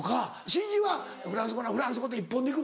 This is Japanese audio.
指示はフランス語ならフランス語で一本でいくのか？